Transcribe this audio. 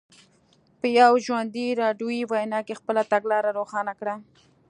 په یوه ژوندۍ راډیویي وینا کې خپله تګلاره روښانه کړه.